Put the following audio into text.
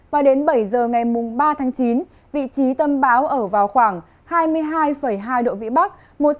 và đến bảy giờ ngày ba chín vị trí tân báo ở vào khoảng hai mươi hai hai độ vĩ bắc